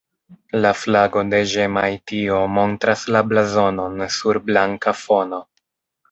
La flago de Ĵemajtio montras la blazonon sur blanka fono.